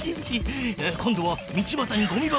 今度は道ばたにゴミ箱だ。